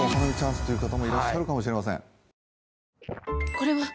これはっ！